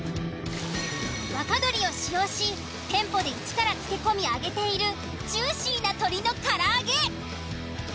若鶏を使用し店舗で一から漬け込み揚げているジューシーな鶏の唐揚。